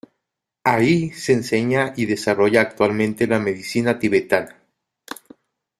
Ahí se enseña y desarrolla actualmente la medicina tibetana.